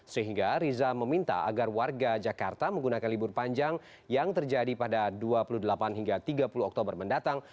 sehingga riza meminta agar warga jakarta menggunakan libur panjang yang terjadi pada dua puluh delapan hingga tiga puluh oktober mendatang